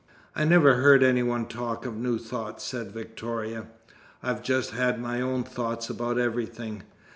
"I never heard any one talk of New Thought," said Victoria. "I've just had my own thoughts about everything.